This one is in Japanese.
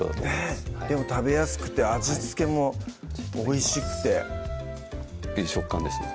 ねっでも食べやすくて味付けもおいしくていい食感ですね